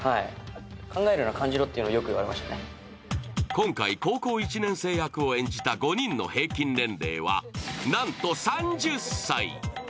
今回、高校１年生役を演じた５人の平均年齢はなんと３０歳！